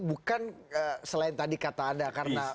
bukan selain tadi kata anda karena